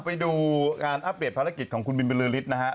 ไปดูการอัพเดทภารกิจของคุณบิลลือริสต์นะครับ